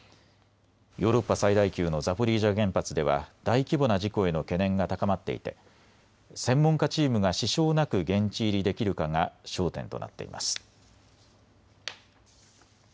ヨーロッパ最大級のザポリージャ原発では大規模な事故への懸念が高まっていて専門家チームが支障なく現地入りできるかが焦点となっています。